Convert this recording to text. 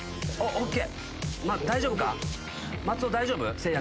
ＯＫ。